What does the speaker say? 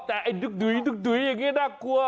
แต่ไอ้ดึกอย่างนี้น่ากลัว